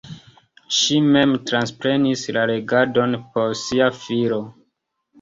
Ŝi mem transprenis la regadon por sia filo.